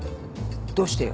どうしてよ？